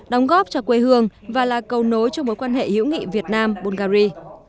đóng góp cho quê hương và là cầu nối cho mối quan hệ hữu nghị việt nam bungary